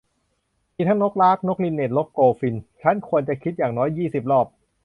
มีทั้งนกลาร์ค นกลินเน็ท นกโกลด์ฟินช์ - ฉันควรจะคิดอย่างน้อยยี่สิบรอบ